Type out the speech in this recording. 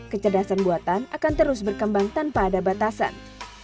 kecerdasan buatan akan terus berkembang tanpa ada batasan